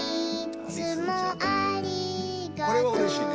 これはうれしいね。